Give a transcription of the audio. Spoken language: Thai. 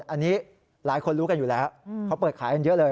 อันนี้หลายคนรู้กันอยู่แล้วเขาเปิดขายกันเยอะเลย